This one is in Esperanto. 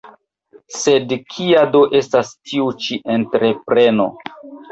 Sed kia do estas tiu ĉi entrepreno.